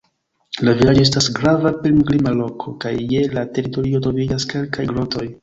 La vilaĝo estas grava pilgrima loko, kaj je la teritorio troviĝas kelkaj grotoj.